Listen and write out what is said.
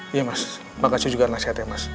iya mas makasih juga nasihatnya mas